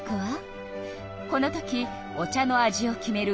このときお茶の味を決める